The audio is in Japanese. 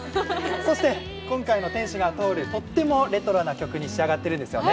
そして、今回の「天使が通る」とってもレトロな曲に仕上がっているんですよね。